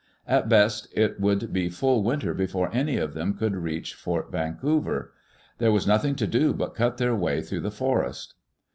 At best, it would be full winter before any of them could reach Fort Vancouver. There was nothing to do but cut their way through that forest.